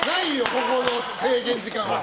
ここの制限時間は。